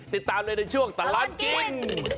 ติดตามเลยในช่วงตลอดกิน